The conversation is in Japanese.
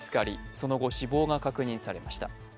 その後、死亡が確認されました。